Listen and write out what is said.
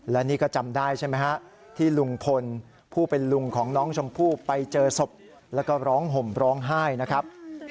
และนี่ก็จำได้ใช่ไหมฮะที่ลุงพลผู้เป็นลุงของน้องชมพู่ไปเจอศพแล้วก็ร้องห่มร้องไห้นะครับ